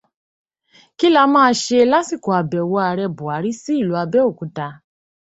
Kí la máa ṣẹ lásìkò àbẹ̀wò Ààrẹ Bùhárí sí ìlú Abẹ́òkuta